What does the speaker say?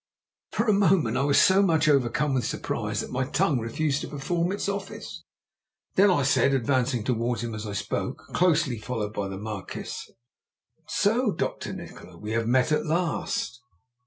For a moment I was so much overcome with surprise that my tongue refused to perform its office. Then I said, advancing towards him as I spoke, closely followed by the Marquis, "So, Dr. Nikola, we have met at last!"